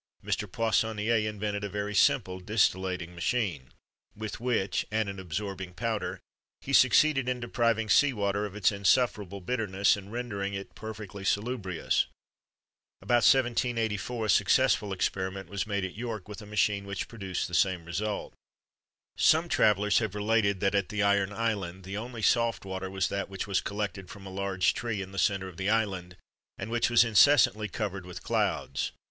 Mr. Poissonnier invented a very simple distillating machine, with which, and an absorbing powder, he succeeded in depriving sea water of its insufferable bitterness, and rendering it perfectly salubrious. About 1784, a successful experiment was made at York with a machine which produced the same result. Some travellers have related, that, at the Iron Island, the only soft water was that which was collected from a large tree, in the centre of the island, and which was incessantly covered with clouds.